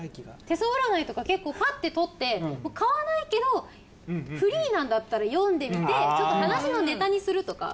『手相占い』とか結構パッて取って買わないけどフリーなんだったら読んでみてちょっと話のネタにするとか。